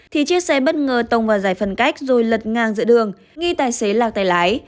thì chiếc xe bất ngờ tông vào giải phân cách rồi lật ngang giữa đường nghi tài xế lao tay lái